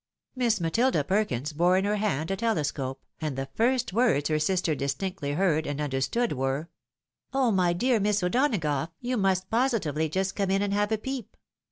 Miss Matilda Perkins bore in her hand a telescope, and the first words her sister distinctly heard and understood were, " Oh, my dear Miss O'Donagough, you must positively just come in and have a peep